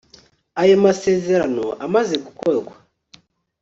ayo masezerano amaze gukorwa